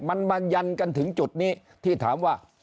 มันมายันกันถึงจุดนี้ที่ถามว่า